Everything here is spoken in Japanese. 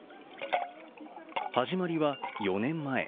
始まりは４年前。